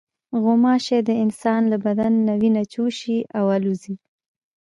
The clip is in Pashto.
غوماشې د انسان له بدن نه وینه چوشي او الوزي.